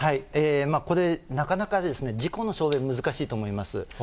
これ、なかなか事故の証明難しいと思います。